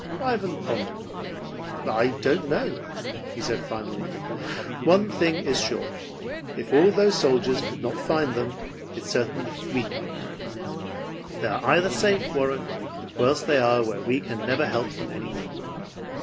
Ivan pondered. "I don't know," he said finally. "One thing is sure, if all those soldiers could not find them, it is certain we can't. They are either safe, Warren, or else they are where we can never help them any more.